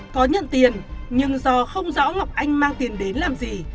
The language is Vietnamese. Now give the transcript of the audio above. có nhận tiền nhưng do không rõ ngọc anh mang tiền đến làm gì